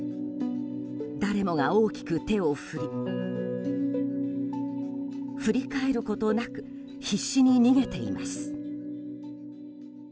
誰もが大きく手を振り振り返ることなく必死に逃げています。